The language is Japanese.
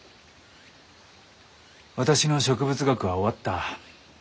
私の植物学は終わった。